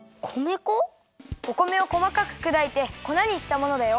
お米をこまかくくだいて粉にしたものだよ。